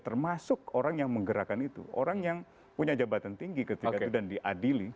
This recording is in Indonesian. termasuk orang yang menggerakkan itu orang yang punya jabatan tinggi ketika itu dan diadili